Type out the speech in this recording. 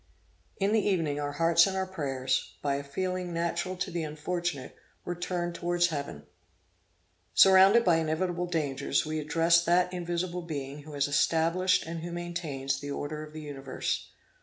In the evening, our hearts and our prayers, by a feeling natural to the unfortunate, were turned towards Heaven. Surrounded by inevitable dangers, we addressed that invisible Being who has established, and who maintains the order of the universe.